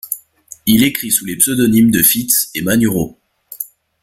Il écrit sous les pseudonymes de Fitz et Manuro.